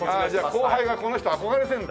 後輩がこの人憧れてるんだ。